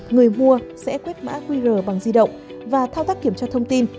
người mua sẽ quét mã qr bằng di động và thao tác kiểm tra thông tin